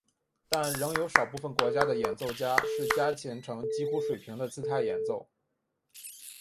但仍有少部分国家的演奏家是夹琴呈几乎水平的姿态演奏。